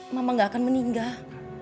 mama gak akan meninggal